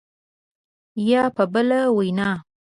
یا په بله وینا